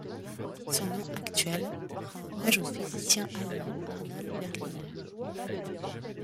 Son nom actuel rend hommage au physicien allemand Arnold Berliner.